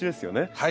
はい。